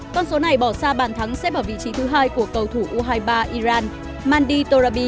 con số này bỏ xa bàn thắng xếp ở vị trí thứ hai của cầu thủ u hai mươi ba iran mandi torabi